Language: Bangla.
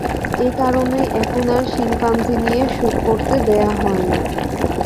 একারণেই এখন আর শিম্পাঞ্জি নিয়ে শুট করতে দেয়া হয় না।